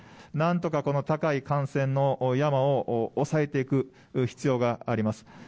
なんとかこの高い感染の山を抑えていく必要があります。